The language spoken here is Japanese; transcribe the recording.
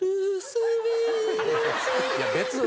いや別の。